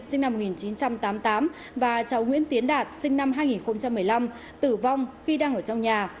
sinh năm một nghìn chín trăm tám mươi tám và cháu nguyễn tiến đạt sinh năm hai nghìn một mươi năm tử vong khi đang ở trong nhà